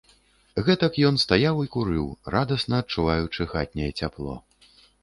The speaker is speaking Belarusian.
Гэтак ён стаяў і курыў, радасна адчуваючы хатняе цяпло.